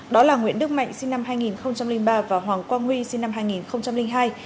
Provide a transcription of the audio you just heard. đó là nguyễn đức mạnh sinh năm hai nghìn ba và hoàng quang huy sinh năm hai nghìn hai